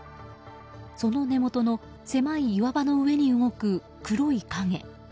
その根元の狭い岩場の上に動く黒い影。